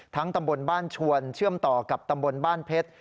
ตำบลบ้านชวนเชื่อมต่อกับตำบลบ้านเพชร